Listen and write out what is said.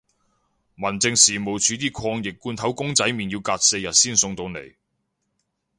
民政事務署啲抗疫罐頭公仔麵要隔四日先送到嚟